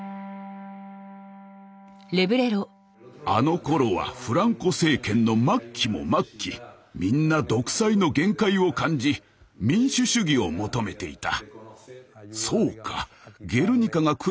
あのころはフランコ政権の末期も末期みんな独裁の限界を感じ民主主義を求めていた。